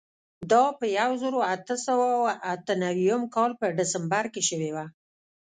دا په یوه زرو اتو سوو اته نوېم کال په ډسمبر کې شوې وه.